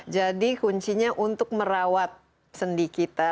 jadi kuncinya untuk merawat sendi kita